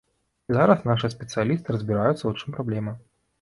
І зараз нашыя спецыялісты разбіраюцца, у чым праблема.